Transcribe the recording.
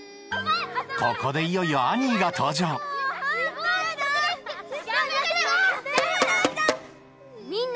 ここでいよいよアニーが登場みんな静かに！早く寝な。